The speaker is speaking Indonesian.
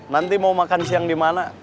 nanti mau makan siang di mana